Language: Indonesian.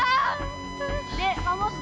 dek kamu harus datang ke luar dek